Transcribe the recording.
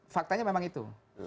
faktanya memang itu